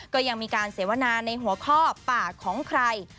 ก็ยังมีการเสวนาในหัวข้อปากของใคร